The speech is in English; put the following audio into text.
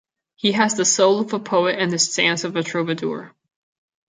He has the soul of a poet and the stance of a troubadour.